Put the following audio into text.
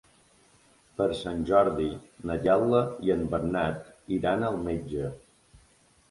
Per Sant Jordi na Gal·la i en Bernat iran al metge.